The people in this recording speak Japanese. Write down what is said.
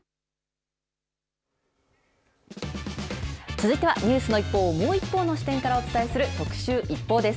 続いてはニュースの一報をもう一方の視点からお伝えする、特集ＩＰＰＯＵです。